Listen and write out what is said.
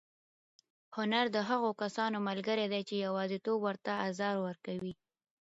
هنر د هغو کسانو ملګری دی چې یوازېتوب ورته ازار ورکوي.